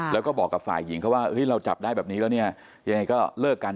แล้วก็บอกกับฝ่ายหญิงเขาว่าเฮ้ยเราจับได้แบบนี้แล้วเนี่ยยังไงก็เลิกกัน